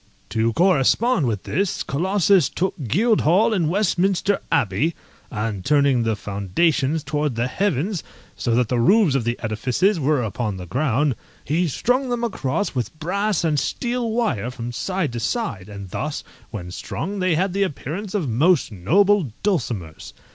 To correspond with this, Colossus took Guildhall and Westminster Abbey, and turning the foundations towards the heavens, so that the roofs of the edifices were upon the ground, he strung them across with brass and steel wire from side to side, and thus, when strung, they had the appearance of most noble dulcimers.